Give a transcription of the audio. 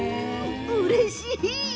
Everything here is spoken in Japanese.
うれしい！